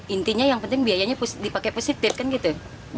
intinya yang penting biayanya dipakai positif kan gitu